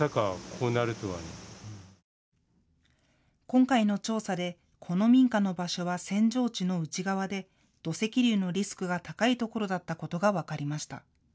今回の調査で、この民家の場所は扇状地の内側で土石流のリスクが高いところだったことが分かりました。